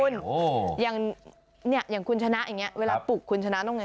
คุณอย่างเนี่ยอย่างคุณชนะอย่างนี้เวลาปลุกคุณชนะต้องไง